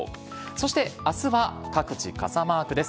そして、あすは各地、傘マークです。